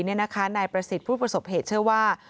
นายประสิทธิ์ผู้ประสบเหตุเชื่อว่า